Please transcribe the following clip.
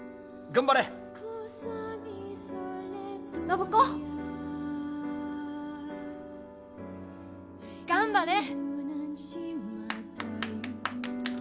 頑張れ！頑張って！